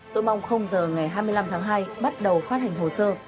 tôi mong giờ ngày hai mươi năm tháng hai bắt đầu phát hành hồ sơ